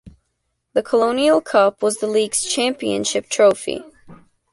The Colonial Cup was the league's championship trophy.